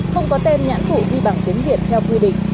không có tên nhãn thủ đi bằng tiếng việt theo quy định